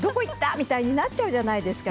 みたくなっちゃうじゃないですか。